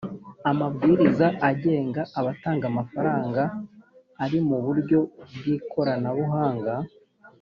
amabwiriza agenga abatanga amafaranga ari mu buryo bw ikoranabuhanga